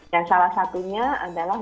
yang salah satunya adalah